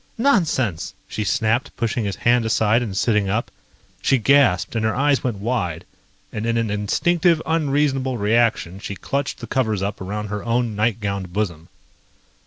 "Nonsense!" she snapped, pushing his hand aside and sitting up. She gasped and her eyes went wide, and in an instinctive, unreasonable reaction she clutched the covers up around her own nightgowned bosom.